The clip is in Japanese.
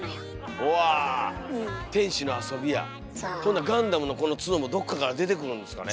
ほなガンダムのこのツノもどっかから出てくるんですかね。